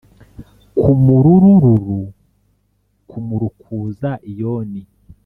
ku mururururu ku murukuza iyoni